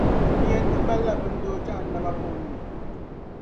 Bɛ yɛn ti malila bindoo Jahannama buɣum ni.